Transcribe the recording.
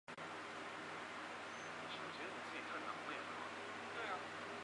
再被秦桧弹劾落职。